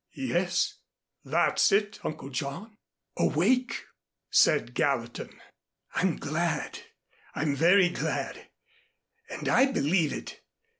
"Yes, that's it, Uncle John. Awake," said Gallatin. "I'm glad I'm very glad. And I believe it.